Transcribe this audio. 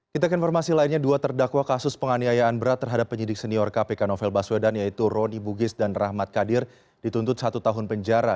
kita ke informasi lainnya dua terdakwa kasus penganiayaan berat terhadap penyidik senior kpk novel baswedan yaitu roni bugis dan rahmat kadir dituntut satu tahun penjara